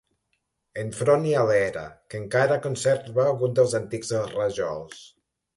Enfront hi ha l'era, que encara conserva alguns dels antics rajols.